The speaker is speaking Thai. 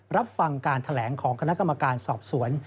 รับฟังการแถลงของคณะกรรมการสอบสวน